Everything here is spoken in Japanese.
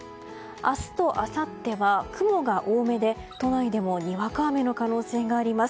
明日とあさっては雲が多めで都内でもにわか雨の可能性があります。